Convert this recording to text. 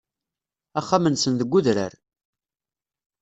Axxam-nsen deg udrar.